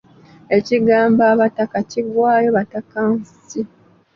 Ekigambo abataka kiggwaayo batakansi.